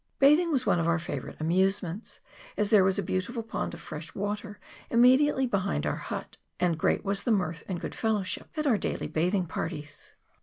Bathing was one of our favourite amusements, as there was a beau tiful pond of fresh water immediately behind our hut, and great was the mirth and good fellowship at our daily bathing parties.